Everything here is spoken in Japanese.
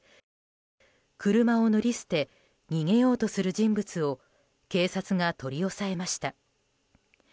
車を乗り捨て逃げようとする人物を警察が取り押さえました。